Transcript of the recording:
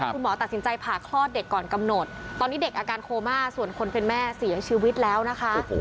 คุณหมอตัดสินใจผ่าคลอดเด็กก่อนกำหนดตอนนี้เด็กอาการโคม่าส่วนคนเป็นแม่เสียชีวิตแล้วนะคะ